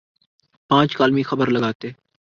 پانچ کالمی خبر لگاتے۔